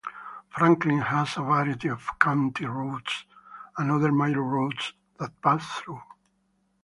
Franklin has a variety of county routes, and other major roads that pass through.